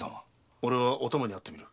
俺はお玉に会ってみる。